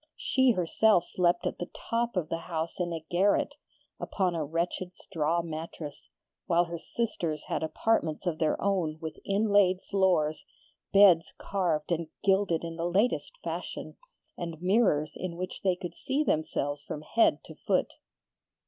She herself slept at the top of the house in a garret, upon a wretched straw mattress, while her sisters had apartments of their own with inlaid floors, beds carved and gilded in the latest fashion, and mirrors in which they could see themselves from head to foot.